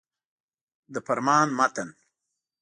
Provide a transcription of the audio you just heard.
د فرمان متن.